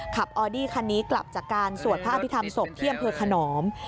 ออดี้คันนี้กลับจากการสวดพระอภิษฐรรมศพที่อำเภอขนอม